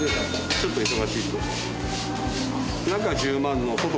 ちょっと忙しいと。